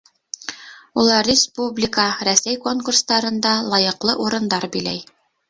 Улар республика, Рәсәй конкурстарында лайыҡлы урындар биләй.